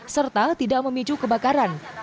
serta tidak memicu kebakaran